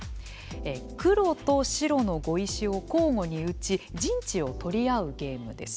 黒と白の碁石を交互に打ち陣地を取り合うゲームです。